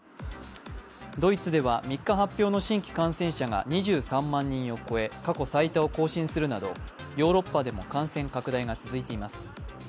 ドイツでは３日発表の新規感染者が２３万人を超え過去最多を更新するなどヨーロッパでも感染拡大が続いています。